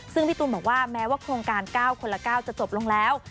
ซึ่งพี่ตูนบอกว่าแม้ว่าโครงการ๙คนละ๙จะจบลงแล้ว